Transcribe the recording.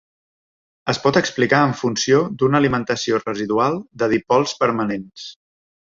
Es pot explicar en funció d'una alimentació residual de dipols permanents.